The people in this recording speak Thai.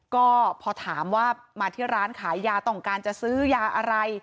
ก็พอถามว่ามาที่ร้านขายยาต้องการจะซื้อยาอะไร